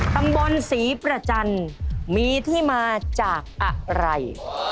ตำบลศรีประจันทร์มีที่มาจากอะไร